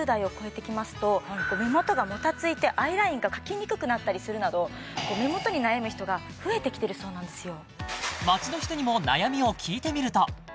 目元がもたついてアイラインが描きにくくなったりするなど目元に悩む人が増えてきてるそうなんですよ